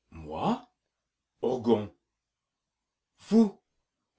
Moi? ORGON. Vous.